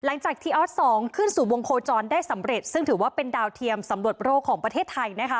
หลังจากที่ออส๒ขึ้นสู่วงโคจรได้สำเร็จซึ่งถือว่าเป็นดาวเทียมสำรวจโรคของประเทศไทยนะคะ